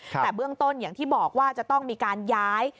แต่เบื้องต้นอย่างที่บอกว่าจะต้องมีการย้าย